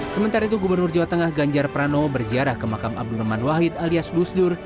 sementara itu gubernur jawa tengah ganjar prano berziarah ke makam abdurrahman wahid alias gusdur